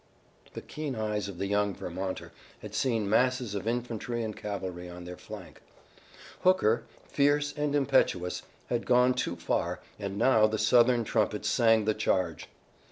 The keen eyes of the young Vermonter had seen masses of infantry and cavalry on their flank. Hooker, fierce and impetuous, had gone too far, and now the Southern trumpets sang the charge.